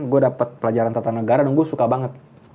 gue dapat pelajaran tata negara dan gue suka banget